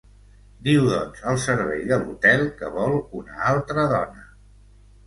Diu doncs al servei de l'hotel que vol una altra dona.